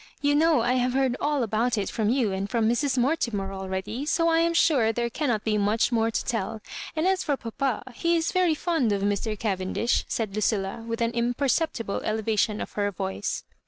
You know I have beard all about it from you and from Mra Mortimer already, so I am sure there cannot be much more to tell ; and as for papa, he is very fond of Mr. Cavendish," said Lucilla, with an im perceptible elevation of her voice.